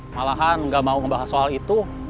malahan nggak mau membahas soal itu